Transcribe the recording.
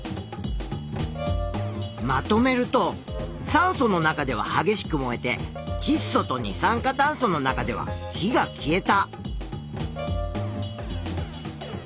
まとめると酸素の中でははげしく燃えてちっ素と二酸化炭素の中では火が消えた。